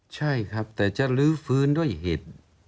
ใช่ครับแต่จะลื้อฟื้นด้วยเหตุ